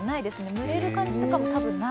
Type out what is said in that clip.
むれる感じとかも多分ない。